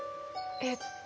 えっと